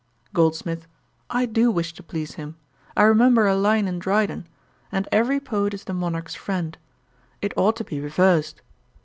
GOLDSMITH. 'I do wish to please him. I remember a line in Dryden, "And every poet is the monarch's friend." It ought to be reversed.'